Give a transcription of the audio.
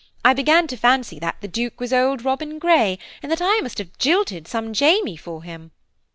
I began to fancy that the Duke was old Robin Grey, and that I must have jilted some Jamie for him.